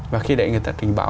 và khi đấy người ta trình báo